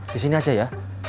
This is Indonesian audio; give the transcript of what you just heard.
disini aja ya